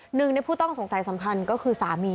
หนึ่งในผู้ต้องสงสัยสำคัญก็คือสามี